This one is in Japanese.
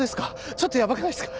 ちょっとやばくないっすか？